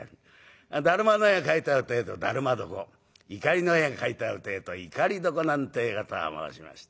だるまの絵が描いてあるってえと「だるま床」碇の絵が描いてあるってえと「碇床」なんてえことを申しました。